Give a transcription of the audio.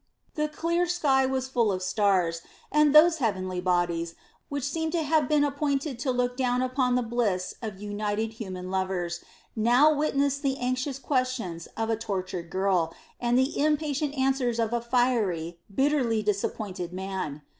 The clear sky was full of stars, and these heavenly bodies, which seem to have been appointed to look down upon the bliss of united human lovers, now witnessed the anxious questions of a tortured girl and the impatient answers of a fiery, bitterly disappointed man.